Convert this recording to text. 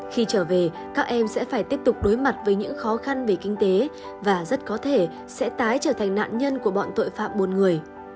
khi trở về các em sẽ phải tiếp tục đối mặt với những khó khăn về kinh tế và rất có thể sẽ tái trở thành nạn nhân của bọn tội phạm buôn người